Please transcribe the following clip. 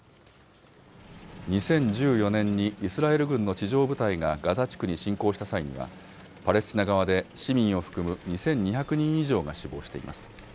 ２０１４年に、イスラエル軍の地上部隊がガザ地区に侵攻した際には、パレスチナ側で市民を含む２２００人以上が死亡しています。